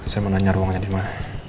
saya menanya ruangnya dimana